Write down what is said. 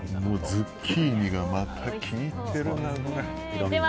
ズッキーニがまた効いてるな。